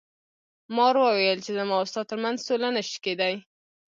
مار وویل چې زما او ستا تر منځ سوله نشي کیدی.